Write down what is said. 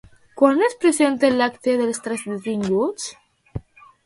Quan es presentaran a l'acte, els tres detinguts?